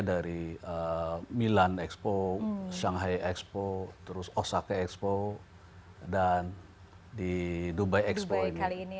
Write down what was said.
dari milan expo shanghai expo terus osaka expo dan di dubai expoint hari ini